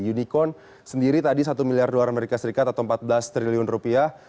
unicorn sendiri tadi satu miliar dolar amerika serikat atau empat belas triliun rupiah